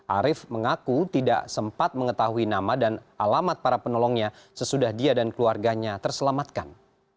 arief mengaku tidak sempat mengetahui nama dan alamat para penolongnya sesudah dia dan keluarganya terselamatkan